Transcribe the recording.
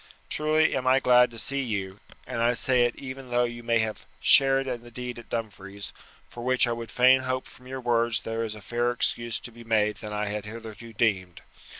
Truly am I glad to see you, and I say it even though you may have shared in the deed at Dumfries, for which I would fain hope from your words there is fairer excuse to be made than I had hitherto deemed.